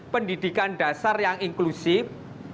pendidikan dasar yang inklusif